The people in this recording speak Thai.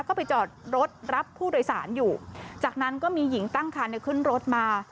ก็ไปจอดรถรับผู้โดยสารอยู่จากนั้นก็มีหญิงตั้งคันขึ้นรถมา